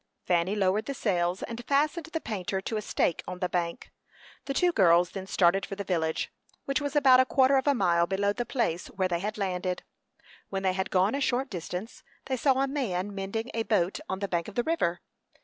Fanny lowered the sails, and fastened the painter to a stake on the bank. The two girls then started for the village, which was about a quarter of a mile below the place where they had landed. When they had gone a short distance, they saw a man mending a boat on the bank of the river.